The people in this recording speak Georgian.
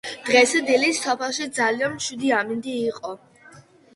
დღეს დილით სოფელში ძალიან მშვიდი ამინდი იყო.